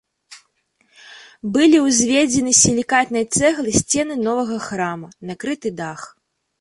Былі ўзведзены з сілікатнай цэглы сцены новага храма, накрыты дах.